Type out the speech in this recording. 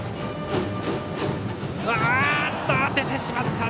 あっと、当ててしまった！